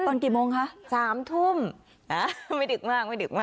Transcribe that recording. ตอนกี่โมงคะ๓ทุ่มไม่ดึกมาก